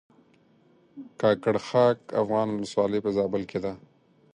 کاکړ خاک افغان ولسوالۍ په زابل کښې ده